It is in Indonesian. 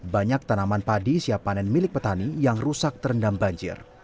banyak tanaman padi siap panen milik petani yang rusak terendam banjir